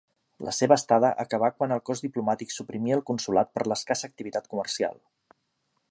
La seva estada acabà quan el cos diplomàtic suprimí el consolat per l'escassa activitat comercial.